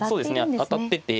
当たってて。